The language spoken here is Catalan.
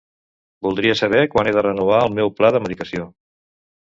Voldria saber quan he de renovar el meu pla de medicació.